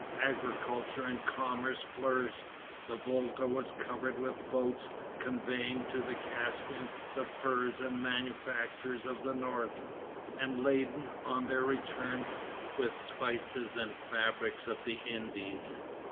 Agriculture and commerce flourished. The Volga was covered with boats, conveying to the Caspian the furs and manufactures of the North, and laden, on their return, with the spices and fabrics of the Indies.